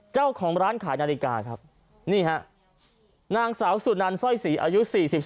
เจ้าของร้านขายนาฬิกาครับนี่ฮะนางสาวสุนันสร้อยศรีอายุ๔๒